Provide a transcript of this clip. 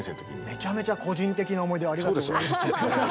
めちゃめちゃ個人的な思い出をありがとうございます。